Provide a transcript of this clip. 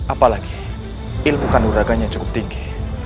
apalagi ilmu kandung raganya cukup tinggi